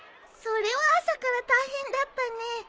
それは朝から大変だったね。